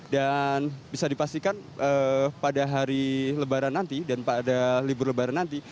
dan bisa dipastikan pada hari lebaran nanti dan pada libur lebaran nanti